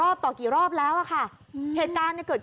อุ้ยทีนี้มันน่ากลัวเหลือเกินค่ะ